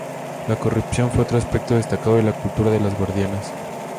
La corrupción fue otro aspecto destacado de la cultura de las guardianas.